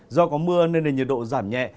do có mưa nên nền nhiệt độ giảm nhẹ